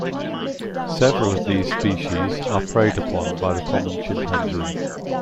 Several of these species are preyed upon by the common chimpanzee.